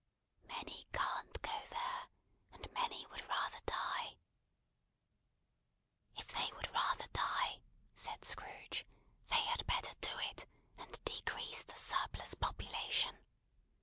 "Many can't go there; and many would rather die." "If they would rather die," said Scrooge, "they had better do it, and decrease the surplus population.